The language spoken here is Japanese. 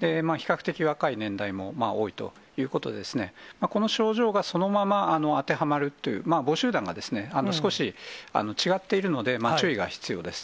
比較的若い年代も多いということですね、この症状がそのまま当てはまるという、母集団が少し違っているので、注意が必要です。